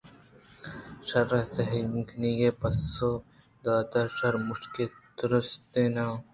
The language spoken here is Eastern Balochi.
شیرءَ زہرکِنکّی پسّہ دات شیر مُشکےءَتُرسیت؟ نا